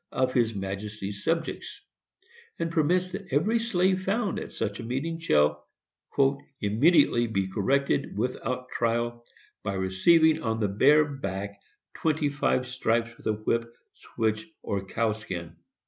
of his majesty's subjects, and permits that every slave found at such a meeting shall "immediately be corrected, WITHOUT TRIAL, by receiving on the bare back twenty five stripes with a whip, switch, or cowskin."